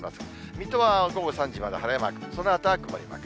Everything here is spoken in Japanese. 水戸は午後３時まで晴れマーク、そのあとは曇りマーク。